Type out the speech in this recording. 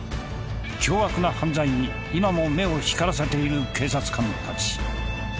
凶悪な犯罪に今も目を光らせている警察官たち。